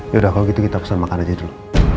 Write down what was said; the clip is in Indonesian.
yaudah kalau gitu kita pesan makan aja dulu